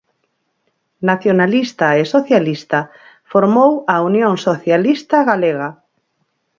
Nacionalista e socialista, formou a Unión Socialista Galega.